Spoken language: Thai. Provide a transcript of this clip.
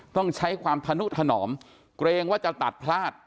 ต้องใช้ความธนุถนอมเกรงว่าจะตัดพลาด